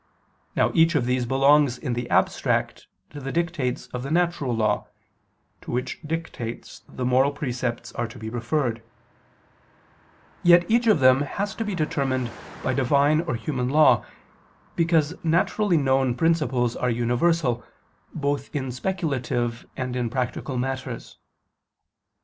Now each of these belongs in the abstract to the dictates of the natural law, to which dictates the moral precepts are to be referred: yet each of them has to be determined by Divine or human law, because naturally known principles are universal, both in speculative and in practical matters.